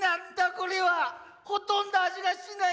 これは⁉ほとんど味がしないじゃないか。